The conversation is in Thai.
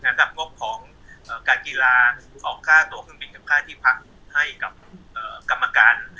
งบของการกีฬาของค่าตัวผลิตกับค่าที่พักให้กับกรรมการ